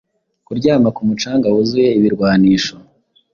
Kuryama ku mucangawuzuye ibirwanisho